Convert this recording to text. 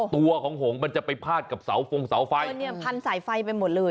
ตัวของหงมันจะไปพาดกับเสาฟงเสาไฟมันเนี่ยพันสายไฟไปหมดเลย